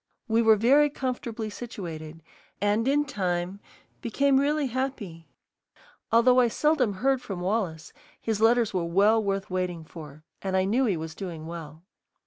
We were very comfortably situated, and in time became really happy. Although I seldom heard from Wallace, his letters were well worth waiting for, and I knew he was doing well.